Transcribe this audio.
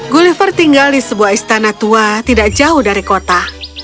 gulliver tinggal di sebuah istana tua tidak jauh dari kota